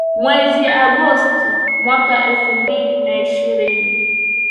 mwezi agosti mwaka elfu mbili na ishirini